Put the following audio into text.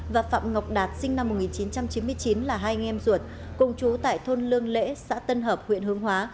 và phạm ngọc đạt sinh năm một nghìn chín trăm chín mươi chín là hai anh em ruột cùng chú tại thôn lương lễ xã tân hợp huyện hương hóa